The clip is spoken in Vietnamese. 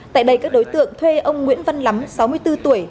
tại đây các đối tượng thuê ông nguyễn văn lắm sáu mươi bốn tuổi